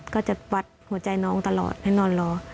ก็จะวัดหัวใจน้องตลอดให้นอนรอ